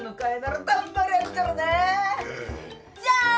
じゃーん！